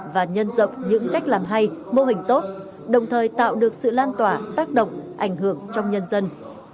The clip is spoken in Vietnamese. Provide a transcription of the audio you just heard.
và nhân rộng những cách làm hay mô hình tốt đồng thời tạo được sự lan tỏa tác động ảnh hưởng trong nhân dân